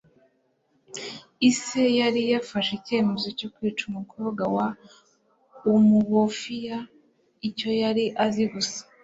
ise yari yafashe icyemezo cyo kwica umukobwa wa umuofia? icyo yari azi gusa